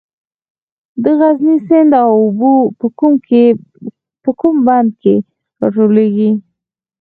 د غزني سیند اوبه په کوم بند کې راټولیږي؟